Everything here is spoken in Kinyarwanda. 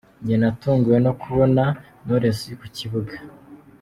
Njye natunguwe no kubona Knowless ku kibuga.